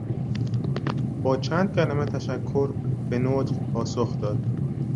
با چند کلمهی تشکر به نطق پاسخ داد.